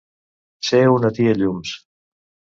Ser una tia llums.